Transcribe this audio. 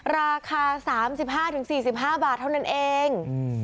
ราคา๓๕๔๕บาทเท่านั้นเอง